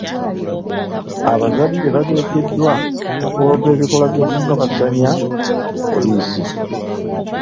Abazadde bateekeddwa okuloopa ebikolwa by'okukabasanya ku poliisi